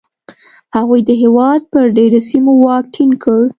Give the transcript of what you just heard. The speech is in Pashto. هغوی د هېواد پر ډېری سیمو واک ټینګ کړ